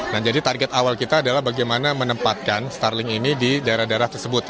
nah jadi target awal kita adalah bagaimana menempatkan starling ini di daerah daerah tersebut